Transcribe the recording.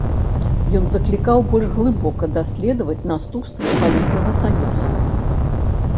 Ён заклікаў больш глыбока даследаваць наступствы валютнага саюза.